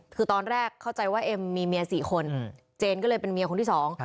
คือตอนแรกเข้าใจว่าเอ็มมีเมีย๔คนเจนก็เลยเป็นเมียคนที่สอง